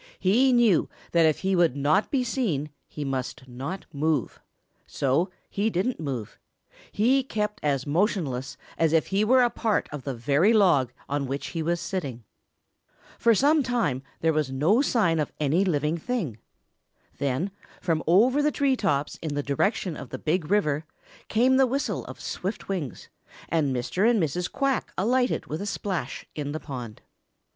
He knew that if he would not be seen he must not move. So he didn't move. He kept as motionless as if he were a part of the very log on which he was sitting. For some time there was no sign of any living thing. Then, from over the tree tops in the direction of the Big River, came the whistle of swift wings, and Mr. and Mrs. Quack alighted with a splash in the pond.